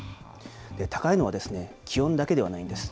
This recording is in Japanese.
高いのは気温だけではないんです。